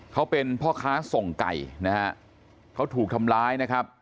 เขาเป็นพ่อค้าส่งไก่นะฮะเขาถูกทำร้ายนะครับ